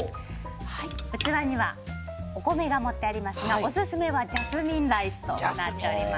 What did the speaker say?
器にはお米が盛ってありますがオススメはジャスミンライスとなっています。